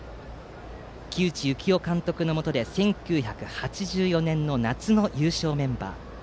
木内幸男監督のもとで１９８４年夏の優勝メンバー。